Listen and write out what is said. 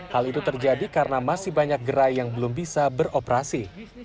hal itu terjadi karena masih banyak gerai yang belum bisa beroperasi